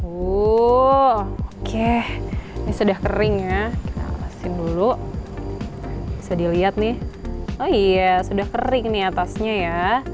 uh oke ini sudah kering ya kita awasin dulu bisa dilihat nih oh iya sudah kering nih atasnya ya